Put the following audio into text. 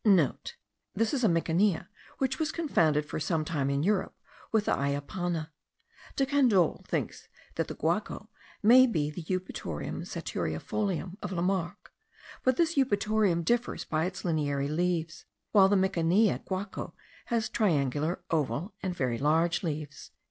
(* This is a mikania, which was confounded for some time in Europe with the ayapana. De Candolle thinks that the guaco may be the Eupatorium satureiaefolium of Lamarck; but this Eupatorium differs by its lineary leaves, while the Mikania guaco has triangular, oval, and very large leaves.)